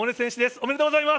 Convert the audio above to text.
おめでとうございます。